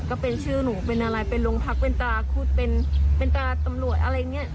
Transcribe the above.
ก็เป็นชื่อหนูเป็นอะไรเป็นโรงพักเป็นตาพูดเป็นเป็นตาตำรวจอะไรอย่างนี้